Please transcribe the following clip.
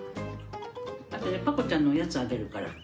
あとでパコちゃんのおやつあげるから。